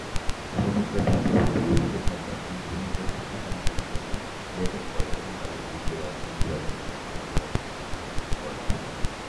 শ্রমিকরা বিপ্লবের বিরোধীদের মত এই ধনী ও শক্তিশালী ব্যক্তিদেরকে লেবেল করে এবং তাদের "বুর্জোয়া, পুঁজিবাদী ও সাম্রাজ্যবাদী" শব্দগুলি বলে।